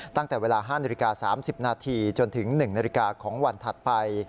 ตั้งแต่เวลา๕นาฬิกา๓๐นาทีจนถึง๑นาฬิกาของวันถัดไป